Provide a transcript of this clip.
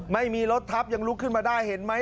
ไม่มีรถทับยังลุกขึ้นมาได้เห็นไหม